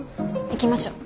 行きましょう。